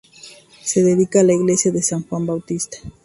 Se dedica la iglesia a San Juan Bautista.